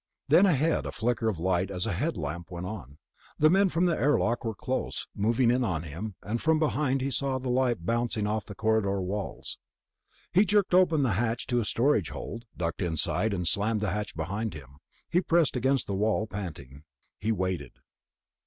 Then, ahead, a flicker of light as a headlamp went on. The men from the airlock were close, moving in on him, and from behind he saw light bouncing off the corridor walls.... He jerked open the hatch to a storage hold, ducked inside, and slammed the hatch behind him. He pressed against the wall, panting. He waited.